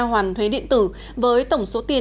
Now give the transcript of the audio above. hoàn thuế điện tử với tổng số tiền